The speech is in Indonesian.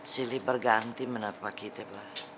silih berganti menurut pak kita mbah